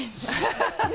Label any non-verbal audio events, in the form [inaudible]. ハハハ [laughs]